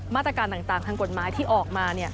มาตรการต่างทางกฎหมายที่ออกมา